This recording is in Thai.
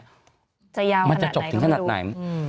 จะยาวขนาดไหนก็ไม่รู้มันจะจบถึงขนาดไหน